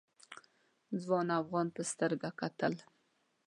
ځوان افغان په سترګه کتل.